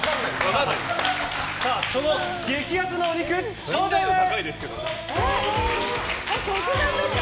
その激アツなお肉、登場です！